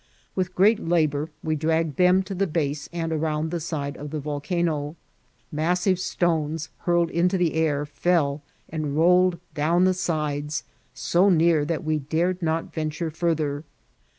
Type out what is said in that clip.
With great labour we dragged them to the base and around the side of the volcano. Massive stones, hurled into the air, fell and rolled down the sides, so near that we dared not venture farther.